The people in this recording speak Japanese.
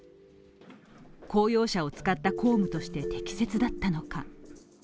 公用車を使った公務として適切だったのか。